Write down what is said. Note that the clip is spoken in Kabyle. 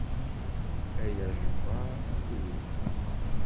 Ay ajebbar a lewli.